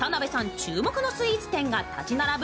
注目のスイーツ店が立ち並ぶ